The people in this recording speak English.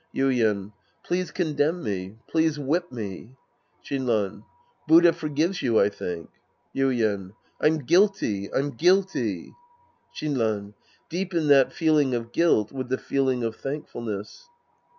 Yuien. Please condemn me. Please whip me. Shinran. Buddha forgives you, I think. Yuien. I'm guilty, I'm guilty. Shinran. Deepen that feeling of guilt with the feeling of thankfulness.